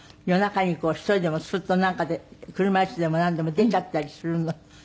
夜中にこう１人でもスッとなんかで車椅子でもなんでも出ちゃったりするの？